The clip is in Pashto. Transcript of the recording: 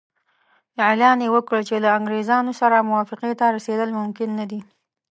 اعلان یې وکړ چې له انګریزانو سره موافقې ته رسېدل ممکن نه دي.